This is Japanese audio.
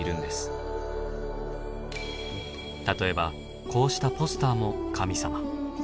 例えばこうしたポスターも神様。